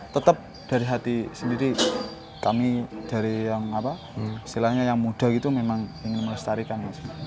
tetap dari hati sendiri kami dari yang muda itu memang ingin melestarikan